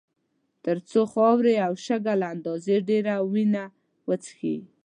تر څو خاورې او شګه له اندازې ډېره وینه وڅښي.